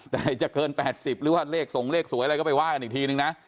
แต่จะเกิน๘๐หรือว่าเลขส่งเลขสวยอะไรก็ไปว่ากันอีกทีนึงนะ